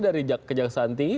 dari kejaksaan tinggi